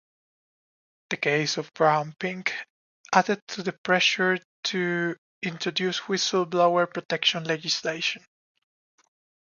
The case of Graham Pink added to the pressure to introduce whistleblower protection legislation.